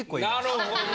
なるほど！